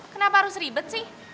kenapa harus ribet sih